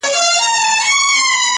نن له هغې وني ږغونه د مستۍ نه راځي!!